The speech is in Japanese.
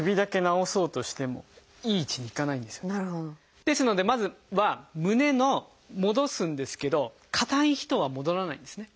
ですのでまずは胸の戻すんですけど硬い人は戻らないんですね。